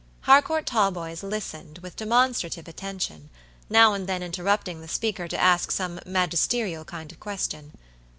Harcourt Talboys listened with demonstrative attention, now and then interrupting the speaker to ask some magisterial kind of question.